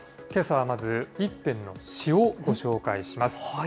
けさはまず一遍の詩をご紹介します。